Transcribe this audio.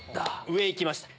上行きました。